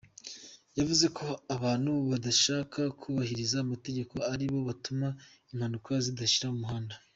Yavuze ko abantu badashaka kubahiriza amategeko ari bo batuma impanuka zidashiram mu muhanda.